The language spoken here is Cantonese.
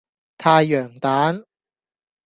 太陽蛋